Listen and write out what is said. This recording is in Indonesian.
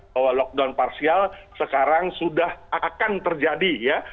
bahwa lockdown parsial sekarang sudah akan terjadi ya